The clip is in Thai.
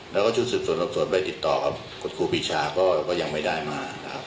แล้วก็ชุดสิทธิ์ส่วนออกส่วนไปติดต่อครับกฎครูปิชาก็ยังไม่ได้มาครับ